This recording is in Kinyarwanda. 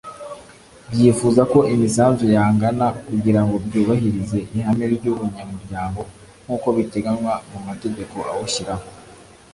byifuza ko imisanzu yangana kugira ngo byubahirize ihame ry’ubunyamuryango nk’uko biteganywa mu mategeko awushyiraho